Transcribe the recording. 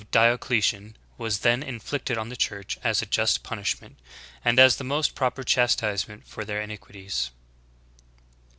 gP Diocletian was then inflicted on the Church as a just punish ment, and as the most proper chastisement for their ini quities."'